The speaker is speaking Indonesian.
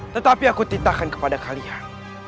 tetapi aku tintakan kepada kalian